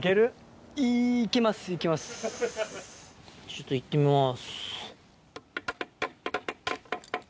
ちょっと行ってみます。